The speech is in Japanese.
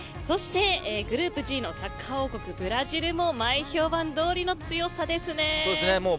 そしてグループＧのサッカー王国ブラジルも前評判どおりの強さを見せてますね。